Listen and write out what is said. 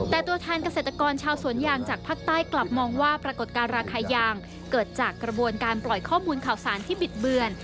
แต่ตัวแทนเกษตรกรชาวสวนยางจากภาคใต้กลับมองว่าปรากฏการณ์ราคายางเกิดจากกระบวนการปล่อยข้อมูลข่าวสารที่บิดเบือน